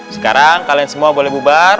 sekarang kalian semua boleh bubar